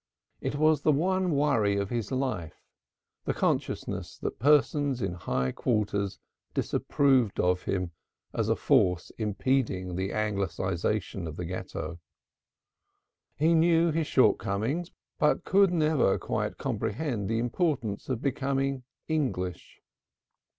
It was the one worry of his life, the consciousness that persons in high quarters disapproved of him as a force impeding the Anglicization of the Ghetto. He knew his shortcomings, but could never quite comprehend the importance of becoming English.